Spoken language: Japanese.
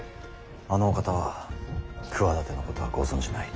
あのお方は企てのことはご存じない。